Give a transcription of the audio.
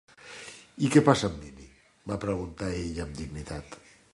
"I què passa amb Mini?" va preguntar ella amb dignitat.